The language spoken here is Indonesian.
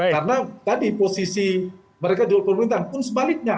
karena tadi posisi mereka diperbutuhan pun sebaliknya